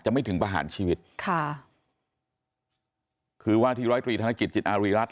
ไม่ถึงประหารชีวิตค่ะคือว่าที่ร้อยตรีธนกิจจิตอารีรัฐ